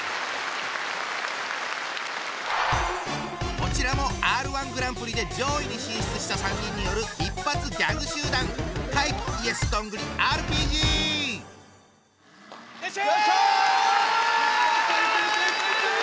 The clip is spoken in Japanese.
こちらもＲ−１グランプリで上位に進出した３人による一発ギャグ集団！よいしょ！